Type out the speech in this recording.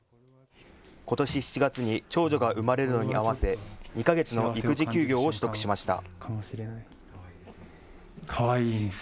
ことし７月に長女が生まれるのに合わせ２か月の育児休業を取得しました。